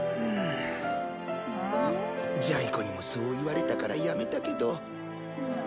ジャイ子にもそう言われたからやめたけど。